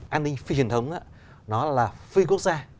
an ninh phi truyền thống á nó là phi quốc gia